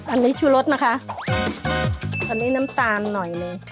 อันนี้ชูรสนะคะอันนี้น้ำตาลหน่อยเลย